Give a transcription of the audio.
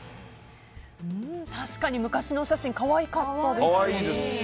確かに、昔のお写真可愛かったですね。